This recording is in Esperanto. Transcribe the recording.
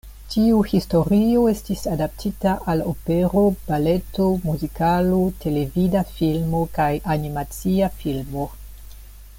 Tiu historio estis adaptita al opero, baleto, muzikalo, televida filmo kaj animacia filmo.